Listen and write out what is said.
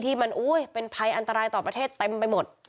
มันเป็นภัยอันตรายต่อประเทศเต็มไปหมด